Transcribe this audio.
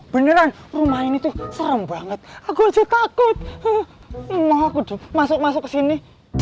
beneran rumah ini tuh serem banget aku takut mau aku masuk masuk ke sini